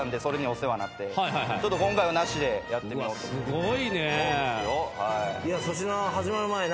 すごいね。